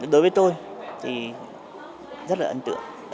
đối với tôi thì rất là ấn tượng